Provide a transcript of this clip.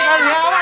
udah ngapa udah